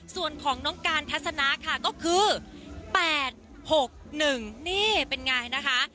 ส่วนของน้องการทัศนะค่ะก็คือ๘๖๑นี่เป็นไงนะคะ